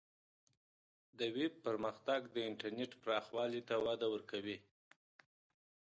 د ویب پرمختګ د انټرنیټ پراخوالی ته وده ورکوي.